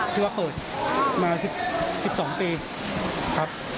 ที่ว่าเปิดมา๑๒ปีครับ